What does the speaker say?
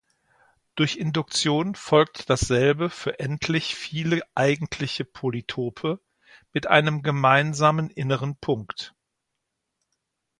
Durch Induktion folgt dasselbe für endlich viele eigentliche Polytope mit einem gemeinsamen inneren Punkt.